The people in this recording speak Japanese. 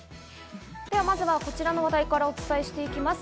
では、まずはこちらの話題からお伝えしていきます。